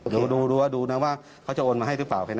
อย่างนี้พี่ส่งเลขบัญชีมาเลย